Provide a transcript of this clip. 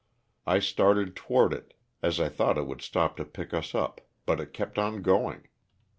I started toward it, as I thought it would stop to pick us up, but it kept on going.